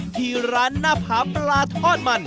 ที่ร้านหน้าผาปลาทอดมัน